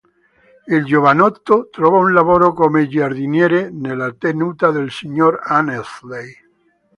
Il giovanotto trova un lavoro come giardiniere nella tenuta del signor Annesley.